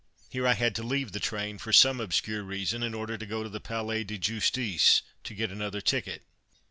Here I had to leave the train, for some obscure reason, in order to go to the Palais de Justice to get another ticket.